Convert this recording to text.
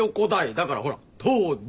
だからほら東大。